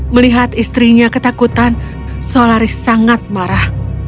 melihat istrinya ketakutan solaris sangat marah